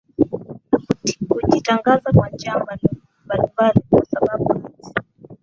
na kujitangaza kwa njia mbalimbali kwa sababu ati